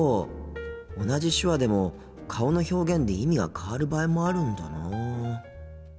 同じ手話でも顔の表現で意味が変わる場合もあるんだなあ。